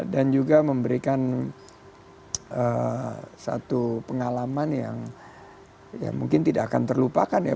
dan juga memberikan satu pengalaman yang mungkin tidak akan terlupakan ya